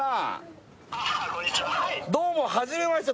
どうも初めまして